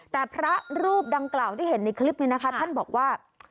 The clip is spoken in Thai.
แต่พระรูปดังกล่าวที่เห็นในคลิปนี้นะคะท่านบอกว่า